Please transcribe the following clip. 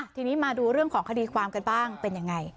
ทีนี้มาดูเรื่องของคดีความกันบ้างเป็นยังไง